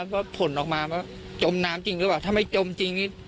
ก็ผลออกมาว่าจมน้ำจริงหรือไม่จมเจริ่ง